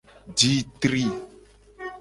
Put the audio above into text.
Ji tri.